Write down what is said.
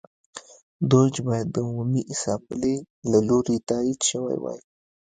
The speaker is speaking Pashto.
دوج باید د عمومي اسامبلې له لوري تایید شوی وای.